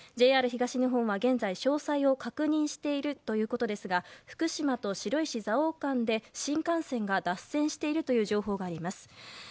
ＪＲ東日本は現在、詳細を確認しているということですが福島と白石蔵王間で新幹線が脱線している情報があります。